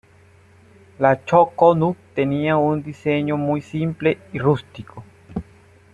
La chu-ko-nu tenía un diseño muy simple y rústico.